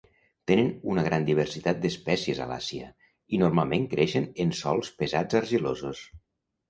Tenen una gran diversitat d'espècies a l'Àsia i normalment creixen en sòls pesats argilosos.